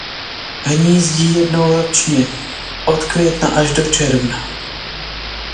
Hnízdí jednou ročně od května až do června.